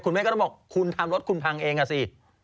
แม่ก็ต้องบอกคุณทำรถคุณพังเองอ่ะสิ